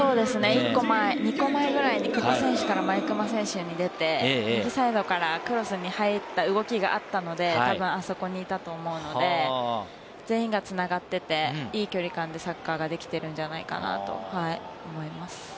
２個前くらいに毎熊選手に出て、右サイドからクロスに入った動きがあったので、たぶんあそこにいたと思うので、全員が繋がっていて、いい距離感でサッカーができているんじゃないかなと思います。